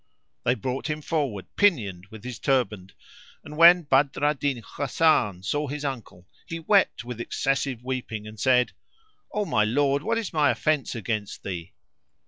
They brought him forward pinioned with his turband; and, when Badr al Din Hasan saw his uncle, he wept with excessive weeping and said, "O my lord, what is my offence against thee?"